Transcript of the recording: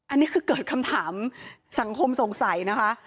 อันนี้คือเกิดคำถามสังคมสงสัยนะคะ